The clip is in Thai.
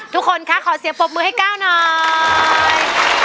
ทุกคนคะขอเสียงปรบมือให้ก้าวหน่อย